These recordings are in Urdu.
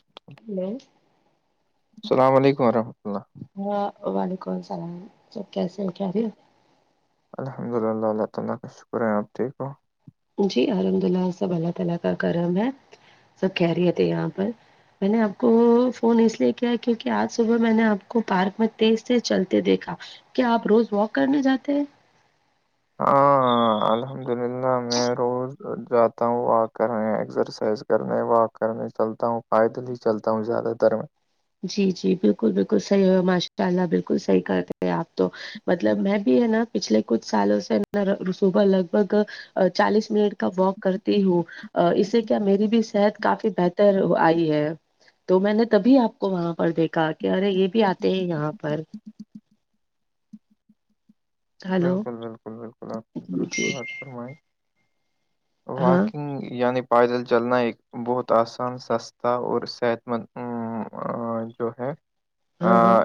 [inaudible] ہلو السلام علیکم وورحمۃ اللہ ہاں وعلیکم السلام سب کیسے کہ رہی ہو الحمد للہ اللہ تعا لا کا شکر ہے آپ ٹھیک ہو جی الحمد للہ سب اللہ تعا لا کا کرم ہے سب کہہ رہیے تھے یہاں پر میں نے آپ کو فون اس لیے کیا کیوںکہ آج صبح میں نے آپ کو پارک میں تیز سے چلتے دیکھا کیا آپ روز واک کرنے جاتے ہیں ہاں ہاں الحمد للہ میں [inaudible] روز جاتا ہوں واک کرنے ایکسرسائز کرنے واک کرنے چلتا ہوں پائیدل ہی چلتا ہوں زیادہ تر میں جی جی بالکل بالکل صحیح ہو ماشاء اللہ بالکل صحیح کرتے ہیں آپ تو مطلب میں بھی ہے نا پچھلے کچھ سالوں سےا رسوبا لگ بھگ چالیس منٹ کا واک کرتی ہوں اس سے کیا میری بھی صحت کافی بہتر آئی ہے تو میں نے تبھی آپ کو وہاں پر دیکھا کہ ارے یہ بھی آتے ہیں یہاں پر ہلو بالکل بالکل بالکل آپ نے جی دست جی بات فرمائی ہاں واکنگ یعنی پائیدل چلنا ایک بہت آسان سستا اور صحت مند آ، جو ہے [inaudible] ہاں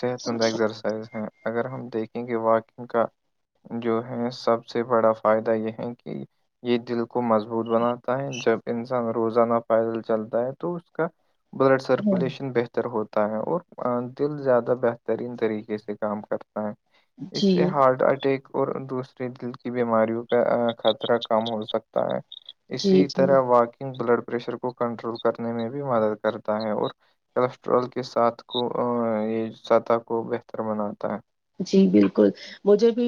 صحت مند ایکزرسائز ہیں اگر ہم دیکھیں گے واکنگ کا جو ہے سب سے بڑا فائدہ یہ ہے کہ یہ دل کو مضبوط بناتا ہے جب انسان روزانہ پیدل چلتا ہے تو اس کا بلڈ ہاں سرکولیشن بہتر بہتر ہوتا ہے اور دل زیادہ بہترین طریقے سے کام کرتا ہے اس جی سے ہارٹ اٹیک اور دوسرے دل کی بیماریوں کا خطرہ کم ہو سکتا ہے جی اسی جی طرح واقع بلڈ پریشر کو کنٹرول کرنے میں بھی مدد کرتا ہے اور کولسٹرول کے ساتھ کو یہ سطح کو بہتر بناتا ہے جی بالکل مجھے بھی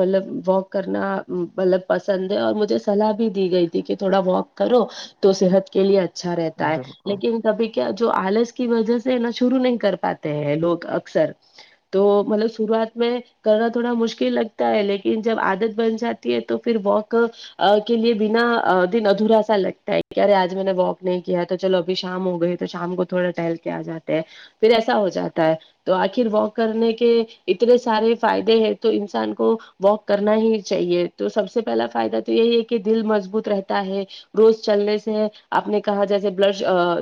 مطلب واک کرنا مطلب پسند ہے اور مجھے سلاح بھی دی گئی کہ تھوڑا واک کرو تو صحت کے لیے اچھا رہتا ہے لیکن کبھی کیا جو آلس کی وجہ سے ہے نا شروع نہیں کر پاتے ہیں لوگ اکثر تو مطلب شروعات میں کرنا تھوڑا مشکل لگتا ہے لیکن جب عادت بن جاتی ہے تو پھر واک کے لیے بنا دن ادھورا سا لگتا ہے کہرے آج میں نے واک نہیں کیا تو چلو ابھی شام ہو گئے تو تو شام کو تھوڑا ٹہل کے آ جاتے ہیں پھر ایسا ہو جاتا ہے تو آخر واک کرنے کے اتنے سارے فائدے ہیں تو انسان کو واک کرنا ہی چاہیے تو سب سے پہلا فائدہ تو یہی ہے کہ دل مضبوط رہتا ہے روز چلنے سے آپ نے کہا جیسے بلڈ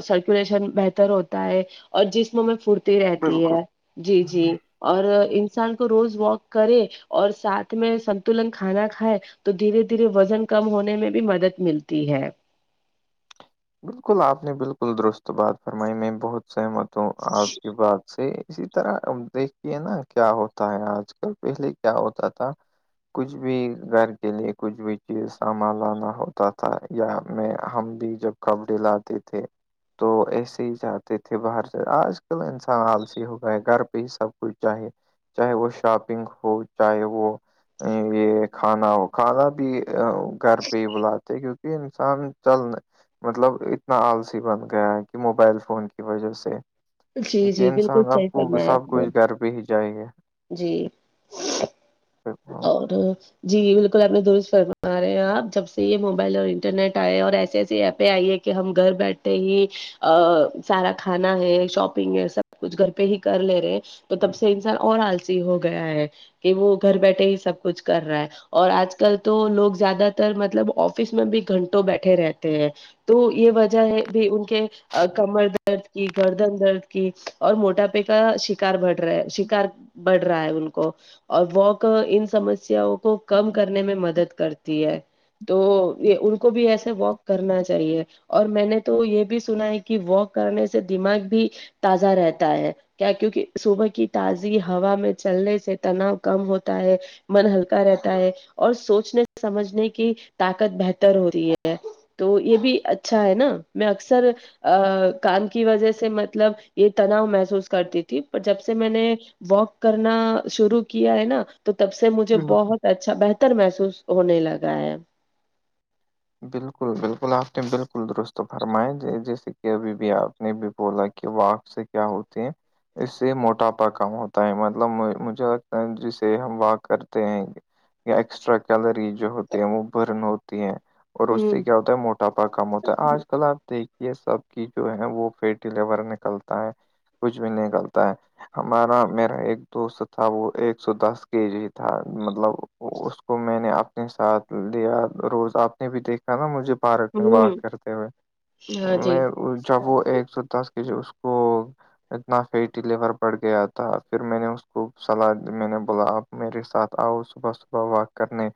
سرکولیشن بہتر ہوتا ہے اور جسم میں پھرتی رہتی ہے بالکل جی جی اور انسان کو روز واک کرے اور ساتھ میں سنتلن کھانا کھائے تو دھیرے دھیرے وزن کم ہونے میں بھی مدد ملتی ہے بالکل آپ نے بالکل درست بات فرمائی میں بہت سہمت ہوں آپ کی بات سے اسی طرح دیکھے نا کیا ہوتا ہے آج کل پہلے کیا ہوتا تھا کچھ بھی گھر کے لیے کچھ بھی چیز سامان لانا ہوتا تھا یا میں ہم بھی جب کپڑے لاتے تھے تو ایسے ہی چاہتے تھے باہر سے آج کل انسان آلسی ہو گئے گھر پہ ہی سب کچھ چاہیے چاہے وہ شاپنگ ہو چاہے وہ یہ کھانا ہو کھانا بھی گھر پہ ہی بلاتے کیونکہ انسان چلنے مطلب اتنا آلسی بن گیا ہے کہ موبائل فون کی وجہ سے جی کہ جی انسان بالکل اب صحیح کو فرمایا سب آپ نے کچھ گھر پہ ہی چائے جی اور جی بالکل اپنے درست فرما رہے ہیں آپ جب سے یہ موبائل اور انٹرنیٹ آئے اور ایسے ایسی ایپیں آئی ہے کہ کہ ہم گھر بیٹھے ہی ا سارا کھانا ہے شاپنگ ہے سب کچھ گھر پہ ہی کر لے رہے ہیں تو تب سے انسان اور آلسی ہو گیا ہے کہ وہ گھر بیٹھے ہی سب کچھ کر رہا ہے اور آج کل تو لوگ زیادہ تر مطلب آفس میں بھی گھنٹوں بیٹھے رہتے ہیں تو یہ وجہ ہے بھی ان کے کمر درد کی گردن درد کی اور موٹاپے کا شکار بڑ رہا ہے کر بڑھ رہا ہے ان کو اور واک ان سمسیا کو کم کرنے میں مدد کرتی ہے تو یہ ان کو بھی ایسا واک کرنا چاہیے اور میں نے تو یہ بھی سنا ہے کہ واک کرنے سے دماغ بھی تازہ رہتا ہے کیا کیونکہ صوبح کی تازی ہوا میں چلنے سے تناؤ کم ہوتا ہے من ہلکا رہتا ہے اور سوچنے سمجھنے کی طاقت بہتر ہو رہی ہے تو یہ بھی اچھا ہے نا میں اکثر ا کان کی وجہ سے مطلب یہ تناؤ محسوس کرتی تھی پر جب سے میں نے واک کرنا شرو کیا ہے نا تو تب سے مجھے بالکل بہت اچا اچھا بہتر محسوس ہونے لگا ہے بالکل بالکل آپ نے بالکل درست فرمایا جیسے کہ ابھی بھی آپ نے بھی بولا کہ وہ آپ سے کیا ہوتے ہیں اس سے موٹاپا کم ہوتا ہے مطلب مجھے لگتا ہے جسے ہم واک کرتے ہیں یا ایکسٹرا کیلری جو ہوتی ہیں وہ برن ہوتی ہیں اور اس سے ہوں کیا ہوتا ہے موٹاپا کام ہوتا ہے آج کل آپ دیکھ یہ سب کی جو ہے وہ فی ڈلیور نکلتا ہے کچھ بھی نکلتا ہے ہمارا میرا ایک دوست تھا وہ ایک سو دس کے جی تھا مطلب اس کو میں نے اپنے ساتھ لیا روز آپ نے بھی دیکھا نا مجھے پارک میں ہوں واک کرتے ہوئے ہاں جی میں جب وہ ایک سو دس ک اس اس کو اتنا فیٹی لیور بڑھ گیا تھا پھر میں نے اس کو صلاح دی میں نے بولا اب میرے ساتھ آؤ صبح صبح واک کرنے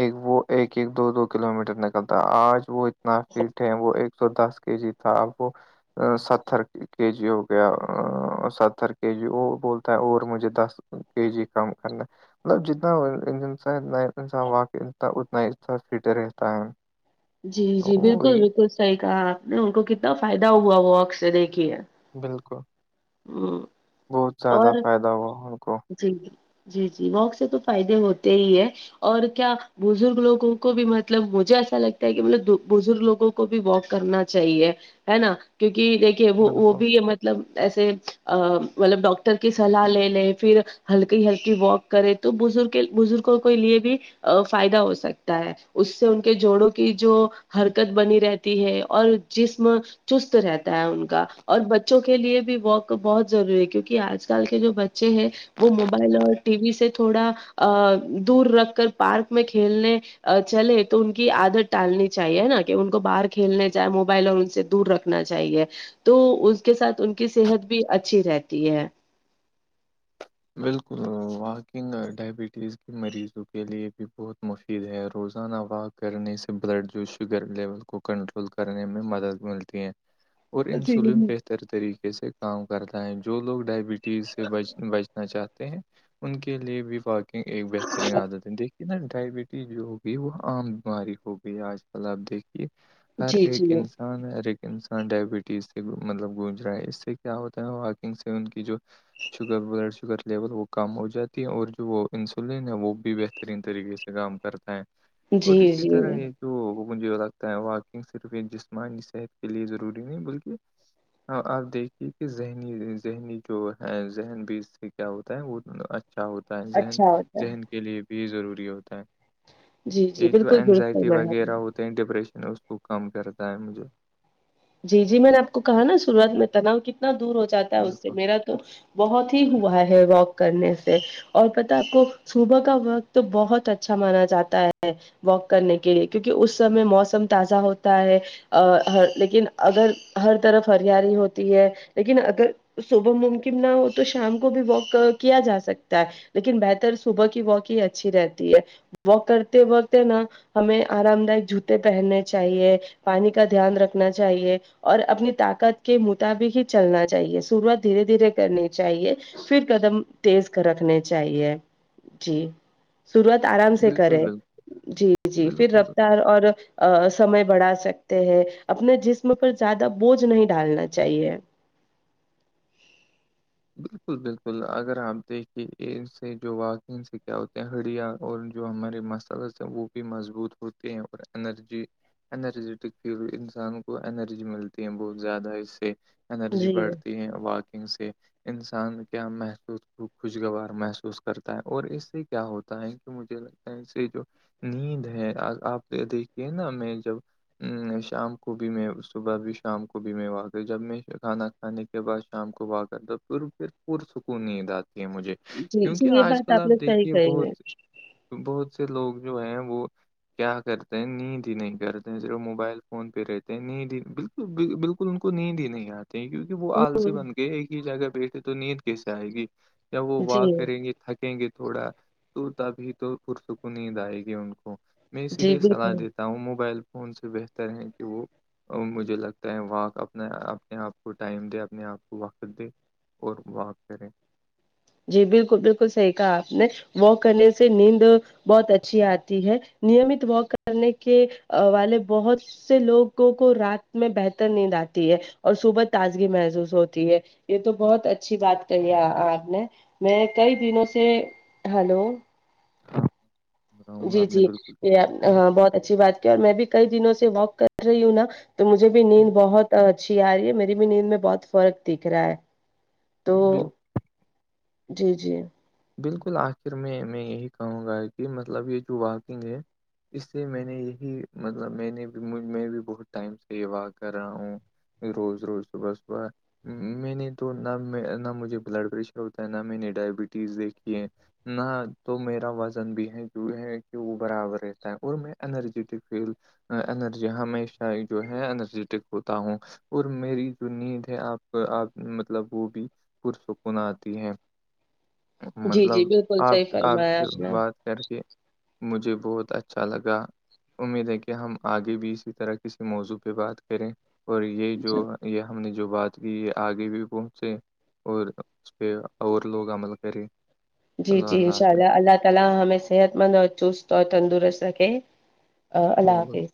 ایک وہ ایک ایک دو دو کلو میٹر نکلتا آج وہ اتنا فیٹ ہے وہ ایک سو دس کے جی تھا اب وہ ستھر کے جی ہو گیا ستھر کے جی وہ بولتا ہے اور مجھے دس کہ جی کام کرنا مطلب جتنا انا انان و اتنا فٹ رہتا ہے جی جی بالکل وہی بالکل صحیح کہا آپ نے ان کو کتنا فائدہ ہوا وہ اک سے دیکھی ہے [inaudible] [inaudible] بہت زیادہ اور فائدہ ہوا ان کو جی جی جی جی وق سے تو فائدے ہوتے ہی ہے اور کیا بزرگ لوگوں کو بھی مطلب مجھے ایسا لگتا ہے کہ ملب بزرگ لوگوں کو کو بھی واک کرنا چاہیے ہے نا کیونکہ دیکھیے وہ بالکل بھی مطلب ایسے مطلب ڈاکٹر کی سلاح لے لے پھر ہلکی ہلکی واک کرے تو بزگ بزرگوں کے لیے بھی ا فائدہ ہو سکتا ہے اس سے ان کے جوڑوں کی جو حرکت بنی رہتی ہے اور جسم چست رہتا ہے ان کا اور بچوں کے لیے واک بہت ضروری ہے کیونکہ آج کل کے جو بچے ہیں وہ موبائل اور ٹی وی سے تھوڑا دور رکھ کر پارک میں کھیلنے چلے تو ان کی عادت ٹالنی چاہیے نا کہ ان کو باہر کھیلنے جائے موبائل اور ان سے دور رکھ نا چاہیے تو اس کے ساتھ ان کی صحت بھی اچھی رہتی ہے بالکل واکنگ ڈائبٹیز کے مریضوں کے لیے بھی بہت مفید ہے روزانہ واک کرنے سے بلڈ جو شوگر لیول کو کنٹرول کرنے میں مدد ملتی ہے [inaudible] اور جی انسولین بہتر طریقے سے کام کرتا ہے جو لوگ ڈائبٹیز سے ب بچ چاہتے ہیں ان کے لیے بھی واکنگ ایک بہترین عادت ہے دیکھیے نا ڈائبٹیز جو ہوگی وہ عام بیماری ہوگی آج کل آپ دیکھیے ہر جی ایک جی انسان انان ہر ایک انسان ڈائبٹیز سے مطلب گونج رہا ہے اس سے کیا ہوتا ہے واکنگ سے ان کی جو شکر ب [unintelligible] [inaudible] شوگر لیول وہ کم ہو جاتی ہے اور جو انسولین ہے وہ بھی بہترین طریقے سے کام کر ہے اور جی اسی جی طرح ایک تو مجھے لگتا ہے واکنگ صرف ایک جسمانی صحت کے لیے ضروری نہیں بلکہ آپ دیکھیے کہ ذہنی ذہنی جو ہے ذہن بھی کیا ہوتا ہے وہ اچھا ہوتا ہے ذہن اچھا ہوتا ہے ذہن کے لیے بھی ضروری ہوتا جی ہے جی یہ جو بالکل درست اینزائٹی فرمایا آپ نے وغیرہ ہوتے ہیں ڈپریشن اس کو کم کرتا ہے مجھے جی جی میں نے آپ کو کہا نا شروعات میں تناؤ کتنا دور ہو جاتا ہے اس سے بالکل میرا تو بہت ہی ہوا ہے واک کرنے سے اور پتہ ہے آپ کو صبح کا وقت بہت اچھا مانا جاتا ہے واک کرنے کے لیے کیونکہ اس سمے موسم تازہ ہوتا ہے لیکن اگر ہر طرف ہریالی ہوتی ہے لیکن اگر صبح ممکن نہ ہو تو شام کو بھی واک کیا جا سکتا ہے لیکن بہتر صبح کی واک ہی اچھی رہتی ہے واک کرتے وقت ہے نا ہمیں آرام دائک جوتے پہننے چاہیے پانی کا دھیان رکھنا چاہیے اور اپنی طاقت کے مطابق ہی چلنا چاہیے شروعات دھیرے دھیرے کرنی چاہیے پھر قدم تیز کر رکھنے چاہیے جی شروعات آرام سے بالکل کرے بالکل جی جی پھر بالکل رفتار اور سمے بڑھا سکتے ہیں اپنے جسم پر زیادہ بوجھ نہیں ڈالنا چاہیے بلکل بلکل اگر آپ دیکھیے ان سے جو واقع ان سے کیا ہوتے ہیں ہڑیاں اور جو ہمارے مسلذ ہیں وہ بھی مضبوط ہوتے ہیں اور انرجی انرجیٹک فیل انسان کو انرجی ملتی ہے بہت زیادہ اس سے انرجی جی بڑھتی ہے واکنگ سے انسان کیا محسوظ خوشگوار محسوس کرتا ہے اور اس سے کیا ہوتا ہے کہ مجھےگ ایسے جو نیند ہے آپ دیکھیے نا میں جب ہ شام کو بھی میں صبح بھی شام کو بھی میں واک جب میں کھانا کھانے کے بعد شام کو واک کر دو پھر پھر پرسکون نیند آتی ہے مجھے جی جی کیونکہ یہ آج بات کل آپ نے صحیح دیکھیے کہی ہے بہت بہت سے لوگ جو ہیں وہ کیا کرتے ہیں نیند ہی نہیں کرتے ہیں صرف موبائل فون پہ رہتے ہیں نیند ہی بل بلکل ان کو نیند ہی نہیں آتے ہیں کیونکہ وہ ہ آلسی بن کے ایک ہی جگہ بیٹھے تو نیند کیسے آئے گی جب وہ جی واک کرے گ یہ تھکیں گے تھوڑا تو تبھی تو پرسکوں کو نیند آئے گی ان کو میں اسی جی لیے صلاح بالکل دیتا ہوں موبائل فون سے بہتر ہے کہ وہ مجھے لگتا ہے واک اپنے اپنے آپ کو ٹائم دے اپنے آپ کو وقت دے اور وپ کریں جی بالکل بالکل صحیح کہا آپ نے واک کرنے سے نیندے بہت اچھی آتی ہے نیمت واک کرنے کے والے بہت اس سے لوگوں کو رات میں بہتر نیند آتی ہے اور صبح تازگی محسوس ہوتی ہے یہ تو بہت اچھی بات کہی ہے آپ نے میں کئی دنوں سے ہلو ہوں جی آپ جی نے بالکل یہ بہت اچھی بات کی اور میں بھی کئی دنوں سے واک کر رہی ہوں نا تو مجھے بھی نیند بہت اچھی آ رہی ہے میری بھی نیند میں بہت فرق دکھ رہا ہے تو بالکل جی جی بلکل آخر میں میں یہی کہوں گا کہ مطلب یہ جو واکنگ ہے اس سے میں نے یہی مطلب میں نے بھی میں بھی بہت ٹائم سے یہ واک کر رہا ہوں روز روز صبح صبح میں نے تو نہ نہ مجھے بلڈ پریشر ہوتا ہے نہ میں نے ڈائبٹیز دیکھی ہے نہ تو میرا وزن بھی ہے جو ہے کہ وہ برابر رہتا ہے اور میں انرجیٹک فیل انرجی ہمیشہ ہی جو ہے انرجیٹک ہوتا ہوں اور میری جو نیند ہے آپ کو آپ مطلب وہ بھی پرسکون آتی ہے جی مطلب جی بالکل آپ صحیح آپ فرمایا سے نے بات کر کے مجھے بہت اچھا لگا امید ہے کہ ہم آگے بھی اسی طرح کسی موضوع پہ بات کریں اور یہ جو یہ ہم نے جو بات کی یہ آگے بھی پہنچے اور اس پہ اور لوگ عمل کرے جی جی انشاء اللہ اللہ تعالی ہمیں صحت مند اور چست تندرست رکھیں اللہ بالکل حافظ